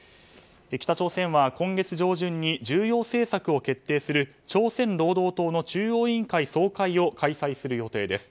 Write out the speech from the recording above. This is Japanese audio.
北朝鮮は今月上旬に重要政策を決定する朝鮮労働党の中央委員会の総会を開催する予定です。